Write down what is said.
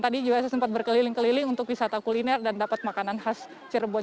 tadi juga saya sempat berkeliling keliling untuk wisata kuliner dan dapat makanan khas cirebon